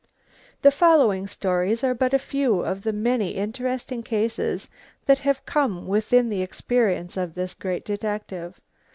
The following stories are but a few of the many interesting cases that have come within the experience of this great detective.